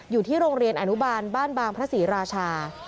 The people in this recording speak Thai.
อยู่ที่โรงเรียนอนุบาลบ้านบางพระศรีราชา